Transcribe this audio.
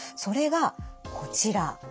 それがこちら。